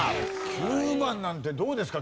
９番なんてどうですか？